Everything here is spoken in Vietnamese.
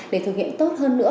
để thực hiện tốt hơn nữa